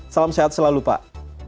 salam sehat selalu pak